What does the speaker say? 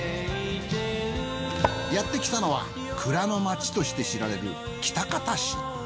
やってきたのは蔵の町として知られる喜多方市。